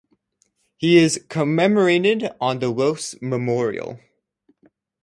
He is commemorated on the Loos Memorial.